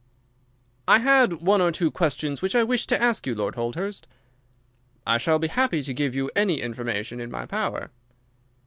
"I had one or two questions which I wished to ask you, Lord Holdhurst." "I shall be happy to give you any information in my power."